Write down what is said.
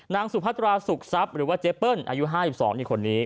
สุพัตราสุขทรัพย์หรือว่าเจเปิ้ลอายุ๕๒นี่คนนี้